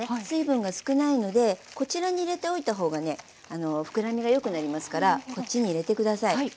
水分が少ないのでこちらに入れておいた方がね膨らみがよくなりますからこっちに入れて下さい。